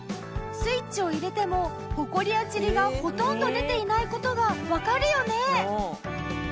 スイッチを入れてもホコリやチリがほとんど出ていない事がわかるよね？